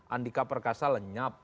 andika perkasa lenyap